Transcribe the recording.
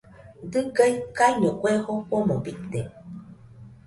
Diga ikaiño kue jofomo bite